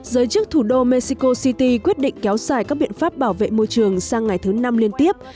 giới chức thủ đô mexico city quyết định kéo xài các biện pháp bảo vệ môi trường sang ngày thứ năm liên tiếp